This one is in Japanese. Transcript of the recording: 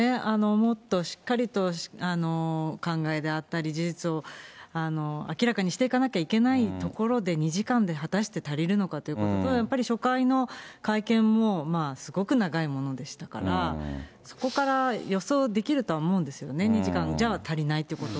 もっとしっかりと考えであったり、事実を明らかにしていかなきゃいけないところで２時間で果たして足りるのかということと、やっぱり初回の会見もすごく長いものでしたから、そこから予想できるとは思うんですよね、２時間じゃ足りないってことも。